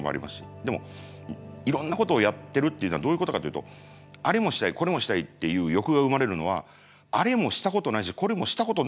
でもいろんなことをやってるっていうのはどういうことかというとあれもしたいこれもしたいっていう欲が生まれるのはあれもしたことないしこれもしたことないからそうするんですね。